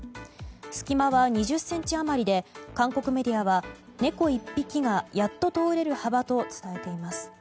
隙間は２０ｃｍ余りで韓国メディアは猫１匹がやっと通れる幅と伝えています。